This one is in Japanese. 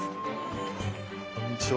こんにちは。